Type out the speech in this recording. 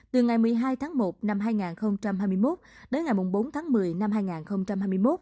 từ ngày một mươi hai tháng một năm hai nghìn hai mươi một đến ngày bốn tháng một mươi năm hai nghìn hai mươi một